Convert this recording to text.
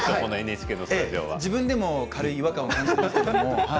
自分でも軽い違和感は感じています。